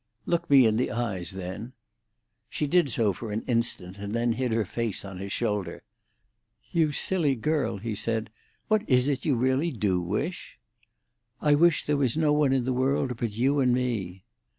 "Look me in the eyes, then." She did so for an instant, and then hid her face on his shoulder. "You silly girl," he said. "What is it you really do wish?" "I wish there was no one in the world but you and me."